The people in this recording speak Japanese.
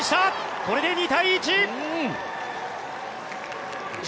これで２対１。